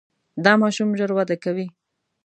دا ماشوم ژر وده کوي.